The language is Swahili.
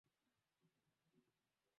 mrefu na Wanasayansi hawajui Jinsi Ramani ya